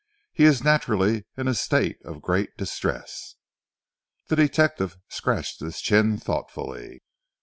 "He is naturally in a state of great distress." The detective scratched his chin thoughtfully.